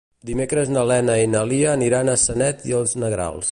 Dimecres na Lena i na Lia aniran a Sanet i els Negrals.